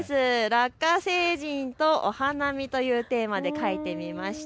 ラッカ星人とお花見というテーマで描いてみました。